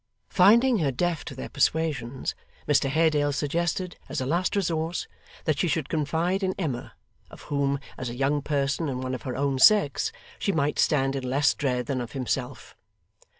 Finding her deaf to their persuasions, Mr Haredale suggested, as a last resource, that she should confide in Emma, of whom, as a young person and one of her own sex, she might stand in less dread than of himself.